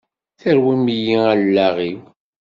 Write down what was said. Terwim-iyi allaɣ-iw!